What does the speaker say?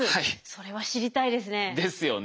それは知りたいですね。ですよね。